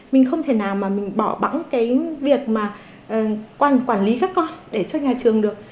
mình không thể nào mà mình bỏ bằng cái việc mà quản lý các con để cho nhà trường được